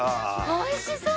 おいしそう！